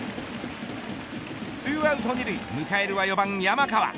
２アウト２塁迎えるは４番山川。